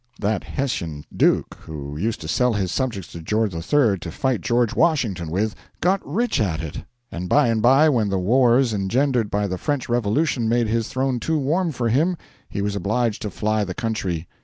That Hessian Duke who used to sell his subjects to George III. to fight George Washington with got rich at it; and by and by, when the wars engendered by the French Revolution made his throne too warm for him, he was obliged to fly the country.